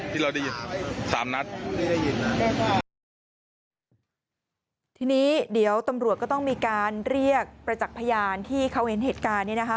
ทีนี้เดี๋ยวตำรวจก็ต้องมีการเรียกประจักษ์พยานที่เขาเห็นเหตุการณ์นี้นะคะ